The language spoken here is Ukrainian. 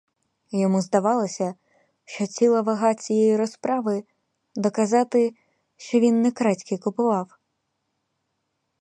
Йому здавалося, що ціла вага цієї розправи — доказати, що він не крадьки купував.